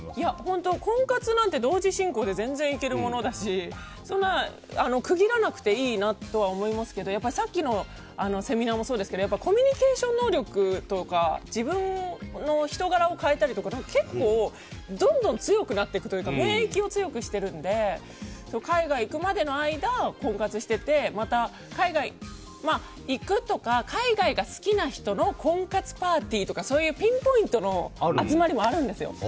婚活なんて同時進行で全然いけるものだし区切らなくていいなとは思いますけどやっぱりさっきのセミナーもそうですけどコミュニケーション能力とか自分の人柄を変えたりとか結構、どんどん強くなっていくというか免疫を強くしてるので海外行くまでの間、婚活してて海外が好きな人の婚活パーティーとかそういうピンポイントの集まりもあるんですよ。